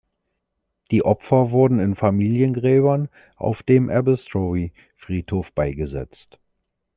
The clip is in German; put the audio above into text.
Die Opfer wurden in Familiengräbern auf dem Abbeystrowry-Friedhof beigesetzt.